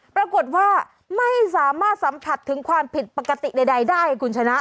ปรากฏว่าไม่สามารถสัมผัสถึงความผิดปกติใดได้คุณชนะ